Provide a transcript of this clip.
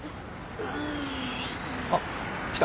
あっ来た。